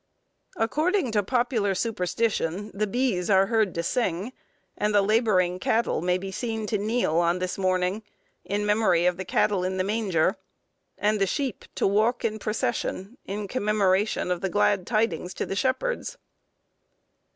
According to popular superstition the bees are heard to sing, and the labouring cattle may be seen to kneel, on this morning, in memory of the cattle in the manger, and the sheep to walk in procession, in commemoration of the glad tidings to the shepherds.